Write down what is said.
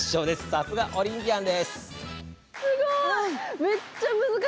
さすがオリンピアン。